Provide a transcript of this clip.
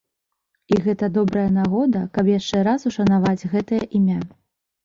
І гэта добрая нагода, каб яшчэ раз ушанаваць гэтае імя.